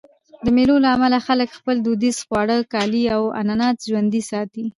د مېلو له امله خلک خپل دودیز خواړه، کالي او عنعنات ژوندي ساتي.